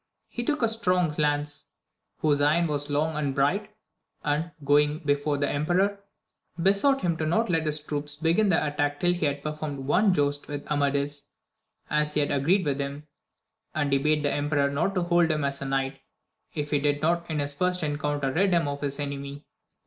He took a strong lance, whose iron was long and bright, and going before the emperor, besought him not to let his troops begin the attack till he had performed one joust with Amadis, as he had agreed with him \ and he bade the emperor not hold him as a knight, if he did not in the first encounter rid him of his enemy.